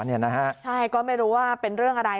ใช่ก็ไม่รู้ว่าเป็นเรื่องอะไร